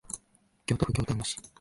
京都府京丹後市